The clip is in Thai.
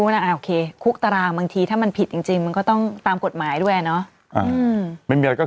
เจ้าชายคุกตารางถ้ามันผิดจริงมันก็ต้องตามกฎหมายด้วย